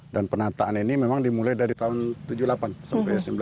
dan penataan ini memang dimulai dari tahun tujuh puluh delapan sampai sembilan puluh dua